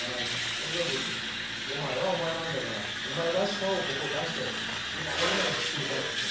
とにかくお前はお前なんだからお前らしさをここ出して打たれるならすっきり打たれてしまえと。